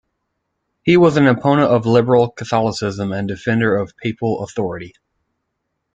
He was an opponent of Liberal Catholicism and defender of papal authority.